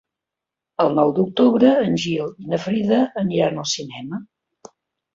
El nou d'octubre en Gil i na Frida aniran al cinema.